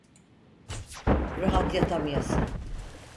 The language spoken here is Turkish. Rahat yatamıyası…